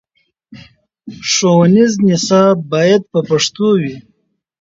ښوونیز نصاب باید په پښتو وي.